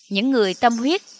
những người tâm huyết